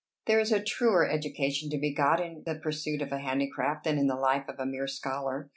There is a truer education to be got in the pursuit of a handicraft than in the life of a mere scholar.